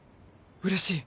うれしい。